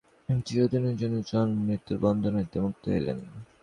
যখন ভরতের দেহপাত হইল, তিনি চিরদিনের জন্য জন্মমৃত্যুর বন্ধন হইতে মুক্ত হইলেন।